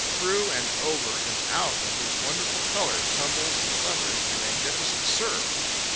Through and over and out of these wonderful colours tumbles and thunders a magnificent surf.